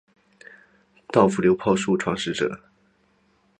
稻富流炮术创始者。